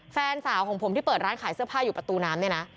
แฟนสาวของผมที่เปิดร้านขายเสื้อผ้าอยู่ประตูน้ำเนี่ยนะ